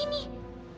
buka pintu sana